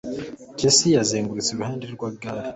Jessie yazengurutse iruhande rw'igare